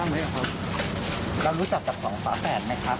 มีอะไรอยากจะพูดมั้ยพี่แจงน้องได้ร่วมรู้มั้ยครับ